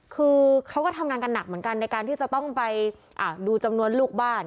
คือเขาก็ทำงานกันหนักเหมือนกันในการที่จะต้องไปดูจำนวนลูกบ้าน